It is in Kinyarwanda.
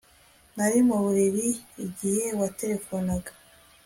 Nari mu buriri igihe waterefonaga